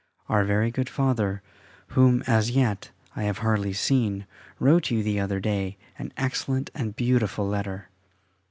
Our very good Father, whom as yet I have hardly seen, wrote you the other day an excellent and beautiful letter.